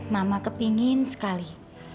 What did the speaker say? mama kepingin sekali